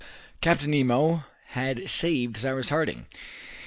Captain Nemo had saved Cyrus Harding.